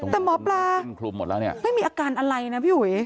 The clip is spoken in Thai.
แต่หมอปลาไม่มีอาการอะไรนะพี่หุย